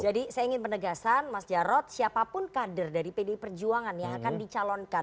jadi saya ingin penegasan mas jarod siapapun kader dari pd perjuangan yang akan dicalonkan